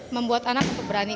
membuat anak berani